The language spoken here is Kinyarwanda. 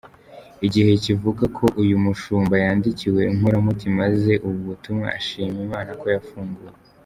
Igihe kivuga ko uyu mushumba yandikiwe inkoramutima ze ubutumwa ashima Imana ko yafunguwe.